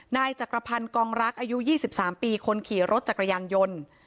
นายจักรพรรณกองรักอายุยี่สิบสามปีคนขี่รถจักรยานยนต์